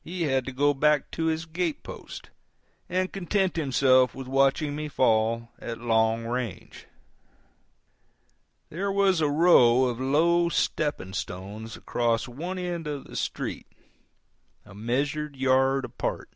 He had to go back to his gate post, and content himself with watching me fall at long range. There was a row of low stepping stones across one end of the street, a measured yard apart.